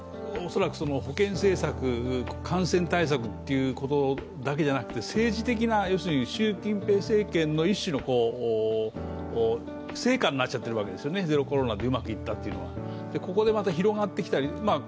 恐らく保健政策、感染対策だけでなく、政治的な要するに習近平政権の一種の成果になっちゃっているわけですよね、ゼロコロナでうまくいったっていうのはここでまた広がってきたり。